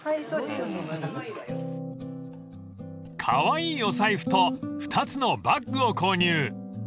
［カワイイお財布と２つのバッグを購入］